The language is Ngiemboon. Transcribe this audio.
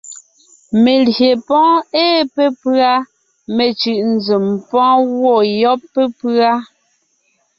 Melyè pɔ́ɔn ée pépʉ́a, mencʉ̀ʼ nzèm pɔ́ɔn gwɔ̂ yɔ́b pépʉ́a.